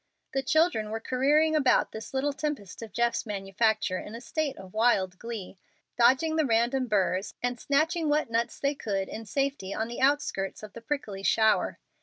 The children were careering about this little tempest of Jeff's manufacture in a state of wild glee, dodging the random burrs, and snatching what nuts they could in safety on the outskirts of the prickly shower.